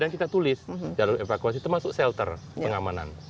dan kita tulis jalur evakuasi itu masuk shelter pengamanan